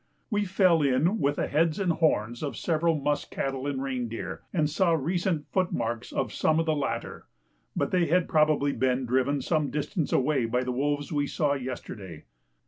We fell in with the heads and horns of several musk cattle and reindeer, and saw recent footmarks of some of the latter, but they had probably been driven some distance away by the wolves we saw yesterday.